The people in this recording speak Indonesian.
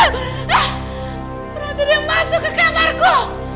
berarti dia masuk ke kamarku